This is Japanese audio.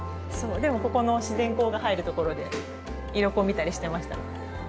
でもここの自然光が入るところで色校見たりしてました。